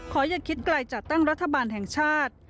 ขออย่าคิดไกลจากตั้งรัฐบาลแห่งชาติ